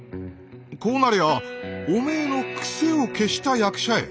こうなりゃおめえの癖を消した役者絵描いてくんな。